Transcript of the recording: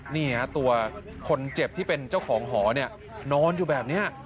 นี่ฮะตัวคนเจ็บที่เป็นเจ้าของหอเนี่ยนอนอยู่แบบนี้